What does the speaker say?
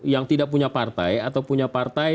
yang tidak punya partai atau punya partai